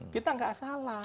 kita nggak salah